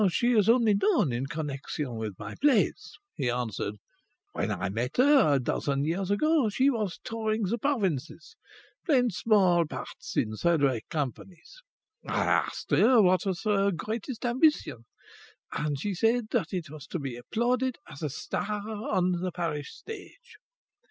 "She is only known in connection with my plays," he answered. "When I met her, a dozen years ago, she was touring the provinces, playing small parts in third rate companies. I asked her what was her greatest ambition, and she said that it was to be applauded as a star on the Paris stage.